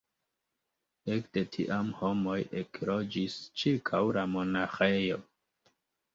Ekde tiam homoj ekloĝis ĉirkaŭ la monaĥejo.